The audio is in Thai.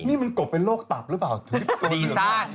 นี่มันกบเป็นโรคตับหรือเปล่าถูกที่บอกเหรอ